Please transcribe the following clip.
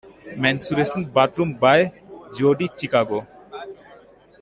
Menstruation Bathroom - by Judy Chicago.